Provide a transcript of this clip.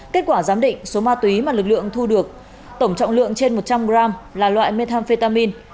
kết quả giám định số ma túy mà lực lượng thu được tổng trọng lượng trên một trăm linh gram là loại methamphetamin